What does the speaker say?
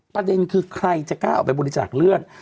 ประเด็นคือใครจะกล้าออกไปบริจาคเลือด